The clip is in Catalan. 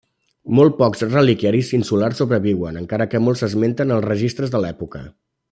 Molt pocs reliquiaris insulars sobreviuen, encara que molts s'esmenten en els registres de l'època.